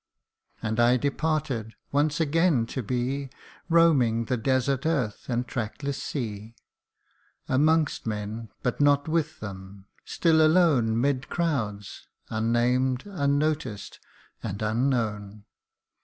And I departed once again to be Roaming the desert earth and trackless sea : Amongst men ; but not with them : still alone Mid crowds, unnamed unnoticed and unknown.